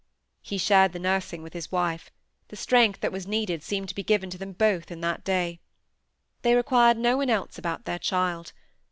He shared the nursing with his wife; the strength that was needed seemed to be given to them both in that day. They required no one else about their child.